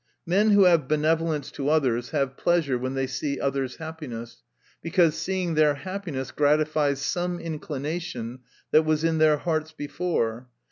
Men who have benevolence to others, have pleasure when they see others'* happiness, because seeing their happiness gratifies some inclination that was in their hearts before.